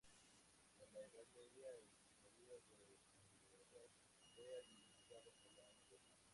En la Edad Media el Señorío de Valdeorras fue administrado por la nobleza.